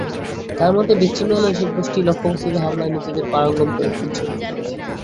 তাঁর মতে, বিচ্ছিন্ন হলেও এসব গোষ্ঠী লক্ষ্যবস্তুতে হামলায় নিজেদের পারঙ্গম করে তুলছে।